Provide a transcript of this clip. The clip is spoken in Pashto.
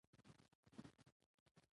ژبه باید له بې ځایه تورو پاکه سي.